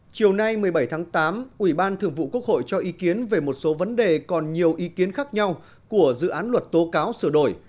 chiều nay một mươi bảy tháng tám ủy ban thường vụ quốc hội cho ý kiến về một số vấn đề còn nhiều ý kiến khác nhau của dự án luật tố cáo sửa đổi